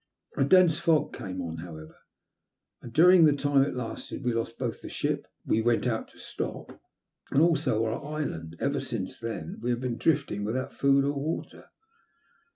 A dense fog came on, however, and during the time it lasted we lost both the ship we went out to stop and also our island. Ever since then we have been drifting without food or water."